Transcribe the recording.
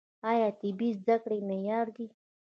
آیا طبي زده کړې معیاري دي؟